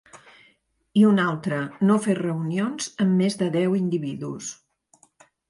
I una altra, no fer reunions amb més de deu individus.